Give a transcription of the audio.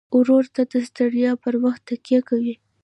ورور ته د ستړیا پر وخت تکیه کوي.